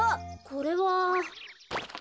これは。